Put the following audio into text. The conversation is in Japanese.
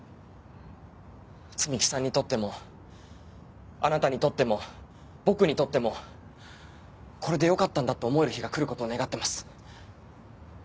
摘木さんにとってもあなたにとっても僕にとってもこれでよかったんだって思える日が来ることを願ってます。